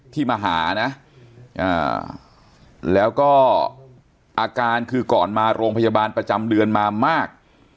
ที่มาหานะแล้วก็อาการคือก่อนมาโรงพยาบาลประจำเดือนมามาก